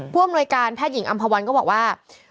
อำนวยการแพทย์หญิงอำภาวันก็บอกว่า